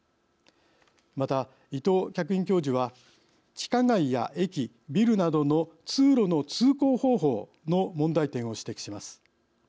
また、伊藤客員教授は地下街や駅、ビルなどの通路の通行方法の問題点を指摘します。